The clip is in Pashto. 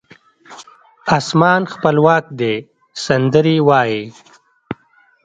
اسمان خپلواک دی سندرې وایې